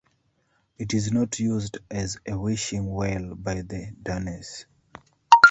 It is not used as a wishing well by the Danes.